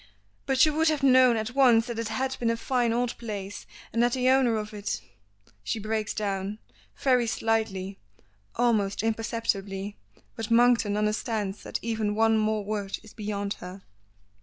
"But you would have known at once that it had been a fine old place, and that the owner of it " She breaks down, very slightly, almost imperceptibly, but Monkton understands that even one more word is beyond her.